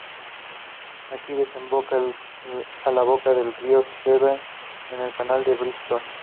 Aquí, desemboca a la boca del río Severn en el Canal de Bristol.